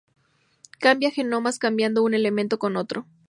Cambia genomas cambiando un elemento con otro.